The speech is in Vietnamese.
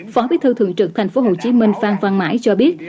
phó bí thư thường trực tp hcm phan văn mãi cho biết